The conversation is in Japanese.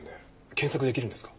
検索できるんですか？